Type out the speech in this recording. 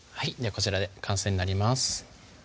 こちらで完成になります